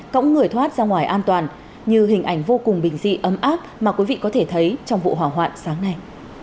cõng người thoát ra ngoài an toàn như hình ảnh vô cùng bình dị ấm áp mà quý vị có thể thấy trong vụ hỏa hoạn sáng nay